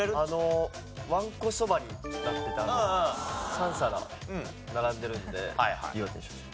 わんこそばになってて３皿並んでるので岩手にしました。